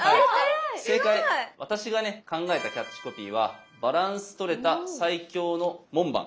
私がね考えたキャッチコピーは「バランス取れた最強の門番」。